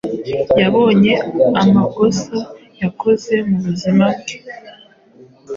yabonye amakosa yakoze mu buzima bwe